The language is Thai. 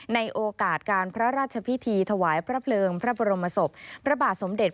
ในโอกาสการพระราชพิธีถวายพระเพลิงพระบรมศพพระบาทสมเด็จ